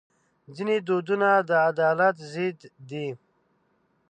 ځینې دودونه د عدالت ضد دي.